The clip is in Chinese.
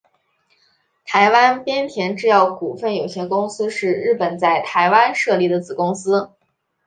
台湾田边制药股份有限公司是日本在台湾设立的子公司。